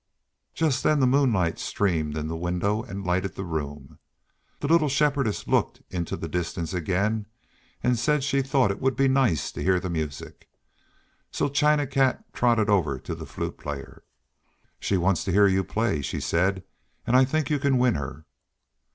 Just then the moonlight streamed in the window and lighted the room. The little Shepherdess looked into the distance again and said she thought it would be nice to hear the music. So China Cat trotted over to the Flute Player. "She wants to hear you play," she said, "and I think you can win her."